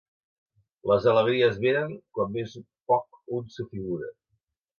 Les alegries venen quan més poc un s'ho figura.